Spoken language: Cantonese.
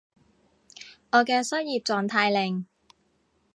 我嘅失業狀態令